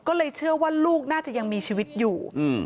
ก็เลยเชื่อว่าลูกน่าจะยังมีชีวิตอยู่